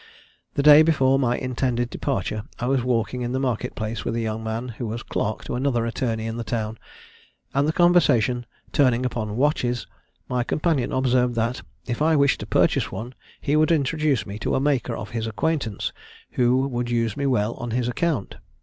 The day before my intended departure, I was walking in the Market place with a young man, who was clerk to another attorney in the town; and, the conversation turning upon watches, my companion observed that, if I wished to purchase one, he would introduce me to a maker of his acquaintance, who would use me well on his account.